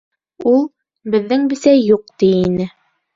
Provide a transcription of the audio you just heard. Ул «беҙҙең бесәй юҡ» ти ине...